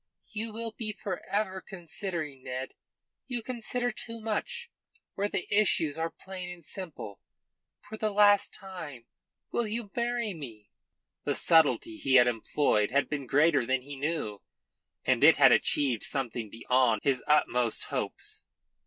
"You will be for ever considering, Ned. You consider too much, where the issues are plain and simple. For the last time will you marry me?" The subtlety he had employed had been greater than he knew, and it had achieved something beyond his utmost hopes.